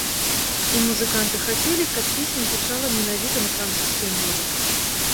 І музыканты хацелі, каб песня гучала менавіта на французскай мове.